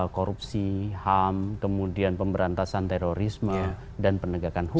korupsi ham kemudian pemberantasan terorisme dan penegakan hukum